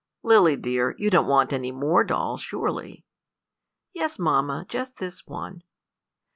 "Lily dear, you don't want any more dolls, surely." "Yes, mamma, just this one."